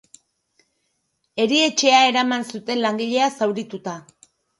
Erietxea eraman zuten langilea zaurituta.